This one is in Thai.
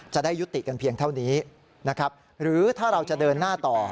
จะได้ยุติกันเพียงเท่านี้นะครับหรือถ้าเราจะเดินหน้าต่อ